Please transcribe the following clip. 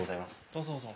どうぞどうぞ。